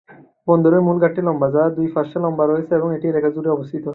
বন্দরের মূল ঘাটটি লম্বা যা দুই পার্শ্বে লম্বা রয়েছে এবং এটি এলাকা জুড়ে অবস্থিত।